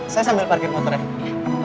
saya sambil parkir motor ya